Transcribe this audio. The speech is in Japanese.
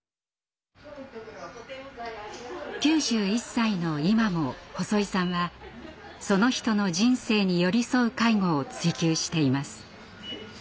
９１歳の今も細井さんはその人の人生に寄り添う介護を追求しています。